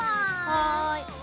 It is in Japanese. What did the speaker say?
はい。